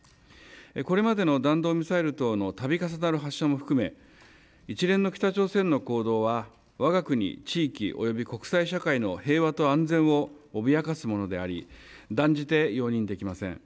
これまでの弾道ミサイル等のたび重なる発射も含め、一連の北朝鮮の行動は、わが国、地域および国際社会の平和と安全を脅かすものであり、断じて容認できません。